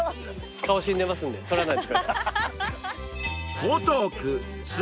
顔死んでますんで撮らないで。